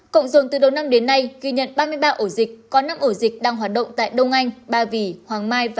cộng dồn từ đầu năm đến nay ghi nhận ba mươi ba ổ dịch có năm ổ dịch đang hoạt động tại đông anh ba vì hoàng mai và